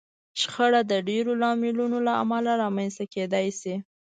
شخړه د ډېرو لاملونو له امله رامنځته کېدای شي.